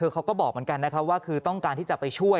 เขาก็บอกเหมือนกันนะครับว่าคือต้องการที่จะไปช่วย